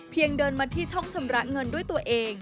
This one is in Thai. เดินมาที่ช่องชำระเงินด้วยตัวเอง